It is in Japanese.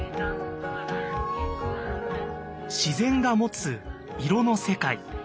自然が持つ色の世界。